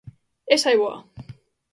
Esa é boa!